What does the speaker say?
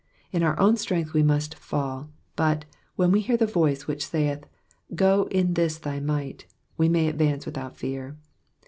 In our own strength we muat fail ; but, when we hear the voice which saith, *^ Qo in this thy might," we may advance without fear.